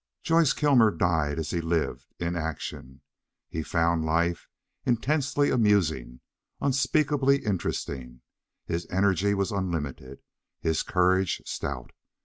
Joyce Kilmer died as he lived "in action." He found life intensely amusing, unspeakably interesting; his energy was unlimited, his courage stout.